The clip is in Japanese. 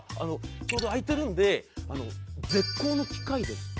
「ちょうど空いてるので絶好の機会です」って。